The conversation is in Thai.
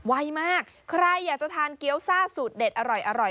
ไวมากใครอยากจะทานเกี้ยวซ่าสูตรเด็ดอร่อย